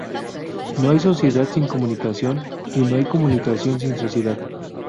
No hay sociedad sin comunicación y no hay comunicación sin sociedad.